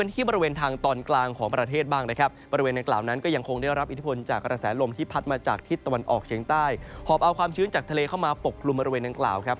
ที่ตะวันออกเชียงใต้หอบเอาความชื้นจากทะเลเข้ามาปกครุมบริเวณนั้นกล่าวครับ